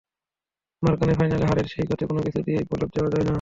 মারাকানার ফাইনালে হারের সেই ক্ষতে কোনো কিছু দিয়েই প্রলেপ দেওয়া যায় না।